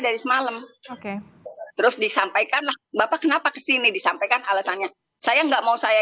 dari semalam oke terus disampaikanlah bapak kenapa kesini disampaikan alasannya saya enggak mau saya